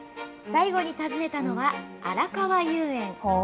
最後に訪ねたのはあらかわ遊園。